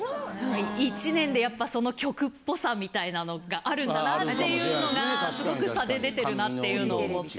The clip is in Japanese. １年でやっぱその局っぽさみたいなのがあるんだなっていうのがすごく差で出てるなっていうの思って。